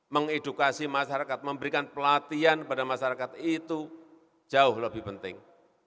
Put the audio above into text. mengedukasi masyarakat memberikan pelatihan kepada masyarakat itu jauh lebih penting